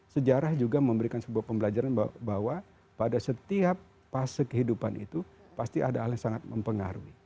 sejarah juga memberikan sebuah pembelajaran bahwa pada setiap fase kehidupan itu pasti ada hal yang sangat mempengaruhi